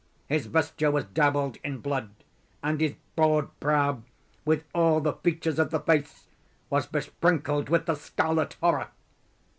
His vesture was dabbled in blood—and his broad brow, with all the features of the face, was besprinkled with the scarlet horror.